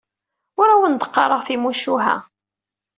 Ur awen-d-qqareɣ timucuha.